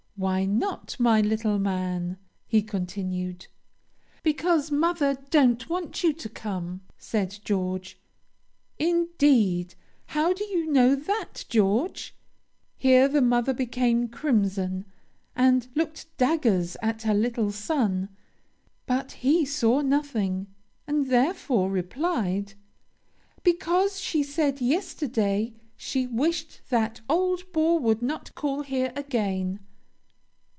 'Why not, my little man?' he continued. 'Because mother don't want you to come,' said George. 'Indeed! how do you know that, George?' Here the mother became crimson, and looked daggers at her little son. But he saw nothing, and therefore replied, 'Because, she said yesterday, she wished that old bore would not call here again.'